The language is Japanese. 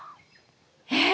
えっ！